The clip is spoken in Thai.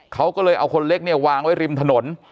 เขาก็เลยเอาคนเล็กเนี่ยวางไว้ริมถนน